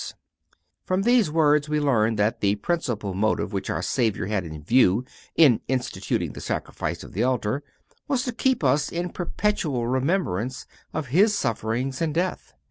(397) From these words we learn that the principal motive which our Savior had in view in instituting the Sacrifice of the Altar was to keep us in perpetual remembrance of His sufferings and death.